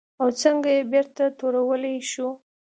او څنګه یې بېرته تورولی شو؟